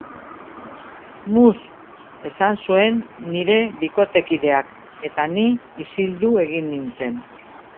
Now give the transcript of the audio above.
Mus!, esan zuen nire bikotekideak, eta ni isildu egin nintzen.